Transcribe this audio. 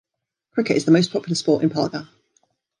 Cricket is the most popular sport in Palghar.